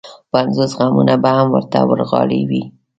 پنځوس غمونه به هم ورته ورغاړې وي.